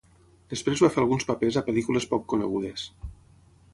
Després va fer alguns papers a pel·lícules poc conegudes.